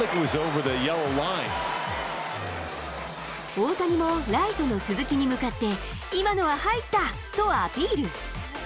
大谷もライトの鈴木に向かって、今のは入った！とアピール。